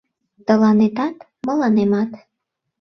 Тыланетат, мыланемат.